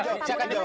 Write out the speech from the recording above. saya akan jawab